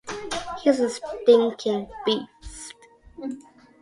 He's a stinking beast.